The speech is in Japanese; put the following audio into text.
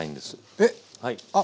えっ？